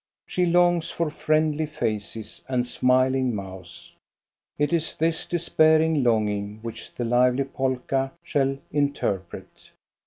She longs for friendly faces and smiling mouths. It is this despairing longing which the lively polka shall interpret.